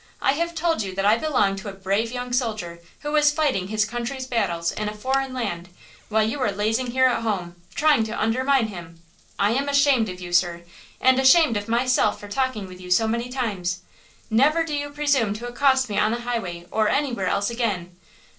I have told you that I belong to a brave young soldier who is fighting his country's battles in a foreign land, while you are lazing here at home, trying to undermine him. I am ashamed of you, sir, and ashamed of myself for talking with you so many times! Never do you presume to accost me on the highway or anywhere else again!